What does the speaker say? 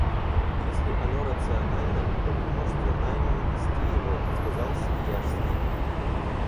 Если оно рационально, то вы можете наймом вести его, — сказал Свияжский.